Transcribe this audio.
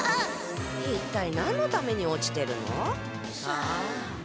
一体何のために落ちてるの？さあ？